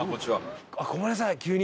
ごめんなさい急に。